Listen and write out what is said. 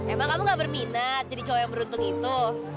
emang kamu gak berminat jadi cowok yang beruntung itu